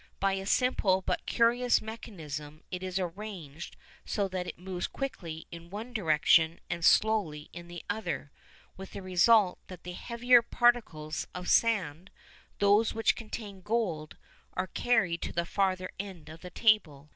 By a simple but curious mechanism it is arranged so that it moves quickly in one direction and slowly in the other, with the result that the heavier particles of sand those which contain gold are carried to the farther end of the table.